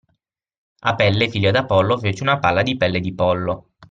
Apelle, figlio di Apollo fece una palla di pelle di pollo